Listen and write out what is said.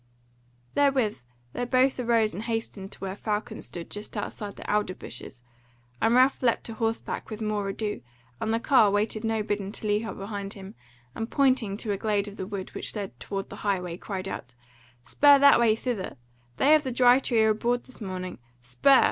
Therewith they both arose and hastened to where Falcon stood just outside the alder bushes, and Ralph leapt a horseback without more ado, and the carle waited no bidding to leap up behind him, and pointing to a glade of the wood which led toward the highway, cried out, "Spur that way, thither! they of the Dry Tree are abroad this morning. Spur!